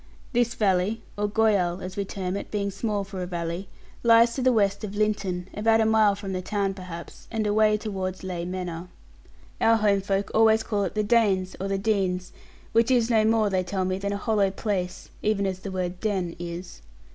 This valley, or goyal, as we term it, being small for a valley, lies to the west of Linton, about a mile from the town perhaps, and away towards Ley Manor. Our homefolk always call it the Danes, or the Denes, which is no more, they tell me, than a hollow place, even as the word 'den' is.